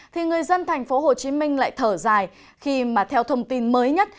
thì người dân thành phố hồ chí minh lại thở dài khi mà theo thông tin mới nhất